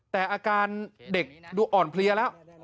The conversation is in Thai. แต่อาการเด็กดูอ่อนเพลียแล้ว